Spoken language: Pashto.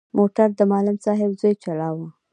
موټر د معلم صاحب زوی چلاوه.